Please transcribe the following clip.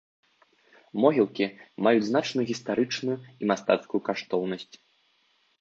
Могілкі маюць значную гістарычную і мастацкую каштоўнасць.